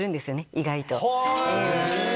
意外と。